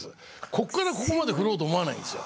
こっからここまで振ろうと思わないんですよ。